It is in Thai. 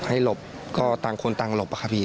หลบก็ต่างคนต่างหลบอะครับพี่